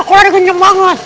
kok dia kenceng banget